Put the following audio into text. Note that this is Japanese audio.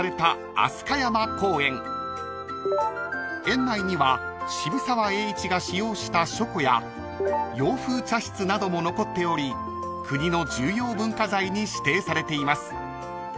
［園内には渋沢栄一が使用した書庫や洋風茶室なども残っており国の重要文化財に指定されています］